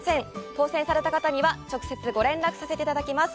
当せんされた方には、直接ご連絡させていただきます。